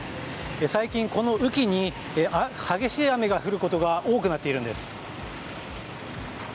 最近、この雨季に激しい雨が降ることが多くなっているんです。